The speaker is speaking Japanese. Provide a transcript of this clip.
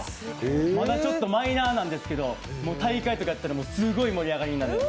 まだちょっとマイナーなんですけど、大会とかやったらすごい盛り上がりになります。